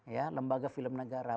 ya lembaga film negara